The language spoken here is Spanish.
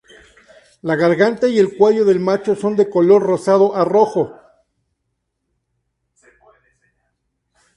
La garganta y el cuello del macho son de color rosado a rojo.